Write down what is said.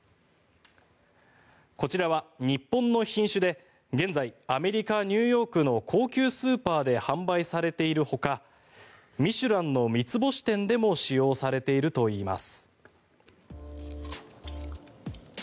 こちらは日本の品種で現在、アメリカ・ニューヨークの高級スーパーで販売されているほか「ミシュラン」の３つ星店でも使用されているといいます。